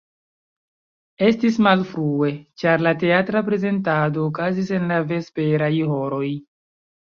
Estis malfrue, ĉar la teatra prezentado okazis en la vesperaj horoj.